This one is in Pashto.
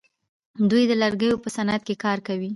دوی د لرګیو په صنعت کې کار کوي.